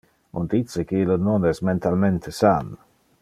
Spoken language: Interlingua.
On dice que ille non es mentalmente san.